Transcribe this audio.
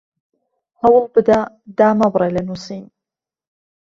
هەوڵ بدە دامەبڕێ لە نووسین